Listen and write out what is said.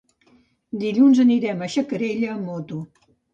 Dilluns anirem a Xacarella amb moto.